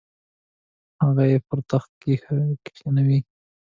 هغه یې پر تخت کښینوي.